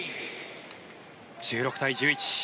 １６対１１。